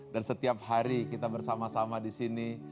dan setiap hari kita bersama sama disini